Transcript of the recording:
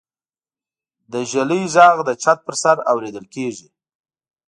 د ږلۍ غږ د چت پر سر اورېدل کېږي.